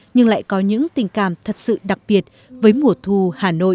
nhưng lại có những tình cảm thật sự đặc biệt với mùa thu hà nội